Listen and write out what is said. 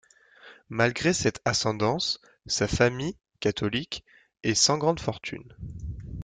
Malgré cette ascendance, sa famille, catholique, est sans grande fortune.